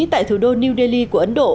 tại thủ đô new delhi của ấn độ